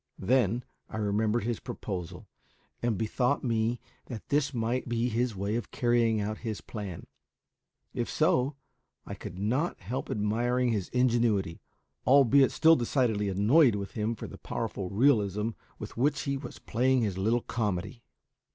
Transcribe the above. Then I remembered his proposal, and bethought me that this might be his way of carrying out his plan; if so, I could not help admiring his ingenuity, albeit still decidedly annoyed with him for the powerful realism with which he was playing his little comedy.